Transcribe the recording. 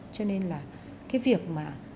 cho nên là cái việc mà